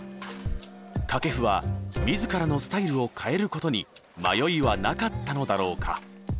掛布は自らのスタイルを変えることに迷いはなかったのだろうか。